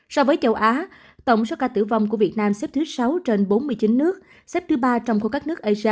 so với châu á tổng số ca tử vong của việt nam xếp thứ sáu trên bốn mươi chín nước xếp thứ ba trong khối các nước asean